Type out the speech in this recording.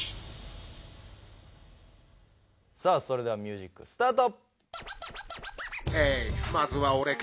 さあそれではミュージックスタート！